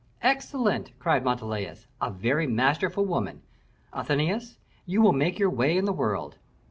"Excellent," cried Montalais; "a very masterly woman; Athenais, you will make your way in the world."